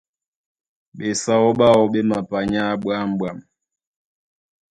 Ɓesáó ɓáō ɓé mapanyá ɓwǎm̀ɓwam.